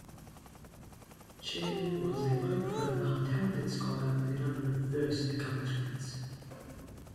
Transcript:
Chen was a low profile talented scholar with a number of "first" accomplishments.